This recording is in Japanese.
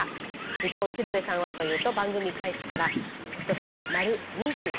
一方鶴瓶さんはというと番組開始から今年で丸２４年。